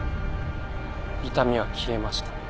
痛みは消えました。